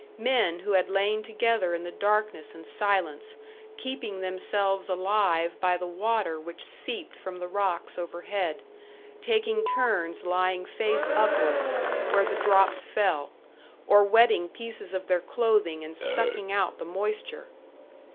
Men who had lain together in the darkness and silence, keeping themselves alive by the water which seeped from the rocks overhead, taking turns lying face upwards where the drops fell, or wetting pieces of their clothing and sucking out the moisture!